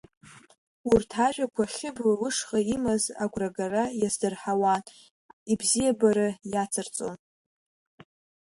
Урҭ ажәақәа Хьыбла лышҟа имаз агәрагара иаздырҳауан, ибзиабара иацырҵон.